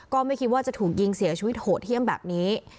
ก็ไม่คิดว่าจะถูกยิงเสียชีวิตโหดเยี่ยมแบบนี้